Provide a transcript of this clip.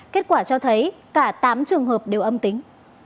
kết quả cho thấy cả tám trường hợp đều âm tính